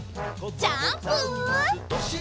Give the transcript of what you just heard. ジャンプ！